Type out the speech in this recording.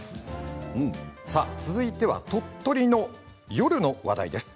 続いては鳥取の夜の話題です。